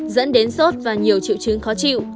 dẫn đến sốt và nhiều triệu chứng khó chịu